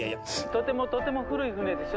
とてもとても古い船でしょう。